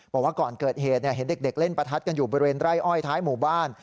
บอกว่าก่อนเกิดเหตุเห็นเด็กเล่นประทัดกันอยู่บริเวณไร่อ้อยท้ายหมู่บ้าน